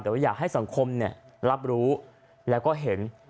แต่ว่าอยากให้สังคมรับรู้แล้วก็เห็น